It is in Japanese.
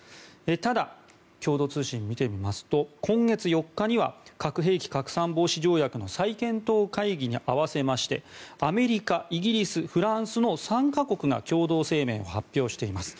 ただ、共同通信を見てみますと今月４日には核兵器拡散防止条約の再検討会議に合わせましてアメリカ、イギリス、フランスの３か国が共同声明を発表しています。